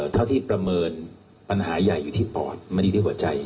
เท่าที่ประเมินปัญหาใหญ่อยู่ที่ปอดมันอยู่ที่หัวใจ